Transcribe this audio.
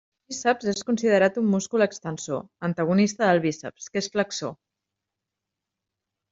El tríceps és considerat un múscul extensor, antagonista del bíceps, que és flexor.